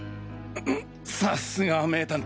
さすがは名探偵。